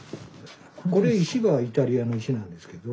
これ石がイタリアの石なんですけど。